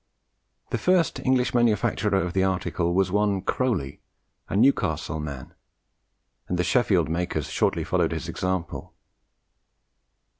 The first English manufacturer of the article was one Crowley, a Newcastle man; and the Sheffield makers shortly followed his example.